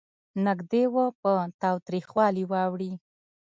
نېږدې و په تاوتریخوالي واوړي.